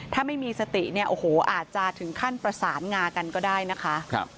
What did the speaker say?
ถ้าไม่มีสติเนี่ยโอ้โหอาจจะถึงขั้นประสานงากันก็ได้นะคะ